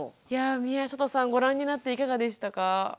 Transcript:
いや宮里さんご覧になっていかがでしたか？